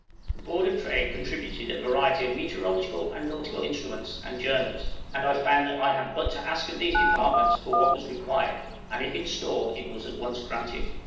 The Board of Trade contributed a variety of meteorological and nautical instruments and journals; and I found that I had but to ask of these departments for what was required, and if in store it was at once granted.